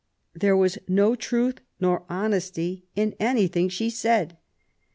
There was no truth nor honesty in anything she said.